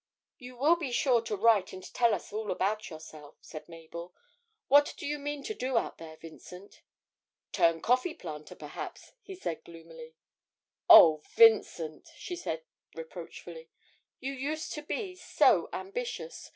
'You will be sure to write and tell us all about yourself,' said Mabel. 'What do you mean to do out there, Vincent?' 'Turn coffee planter, perhaps,' he said gloomily. 'Oh, Vincent!' she said reproachfully, 'you used to be so ambitious.